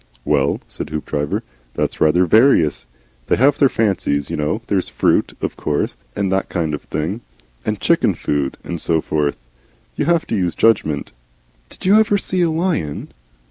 "Well," said Hoopdriver. "That's rather various. They have their fancies, you know. There's fruit, of course, and that kind of thing. And chicken food, and so forth. You have to use judgment." "Did you ever see a lion?"